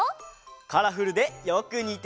カラフルでよくにてる！